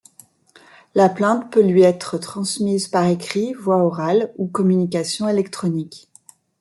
La plainte peut lui être transmise par écrit, voie orale ou communication électronique.